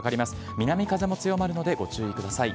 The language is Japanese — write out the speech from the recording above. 南風も強まるので、ご注意ください。